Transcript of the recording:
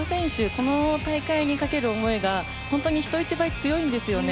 この大会に懸ける思いが人一倍強いんですよね。